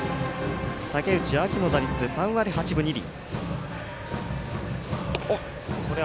竹内、秋の打率で３割８分２厘。